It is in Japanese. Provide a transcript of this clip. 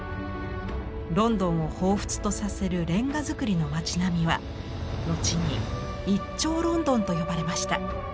ロンドンをほうふつとさせるレンガ造りの町並みは後に「一丁倫敦」と呼ばれました。